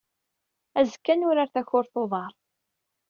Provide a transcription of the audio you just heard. Azekka, ad nurar takurt n uḍar.